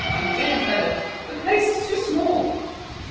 my dear fellow, the place is too small!"